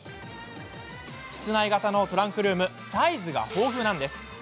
室内型のトランクルームはサイズが豊富なんです。